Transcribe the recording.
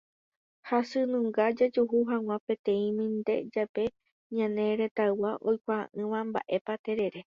Hasynunga jajuhu hag̃ua peteĩmínte jepe ñane retãygua oikuaa'ỹva mba'épa terere.